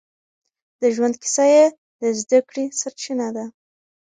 د ژوند کيسه يې د زده کړې سرچينه ده.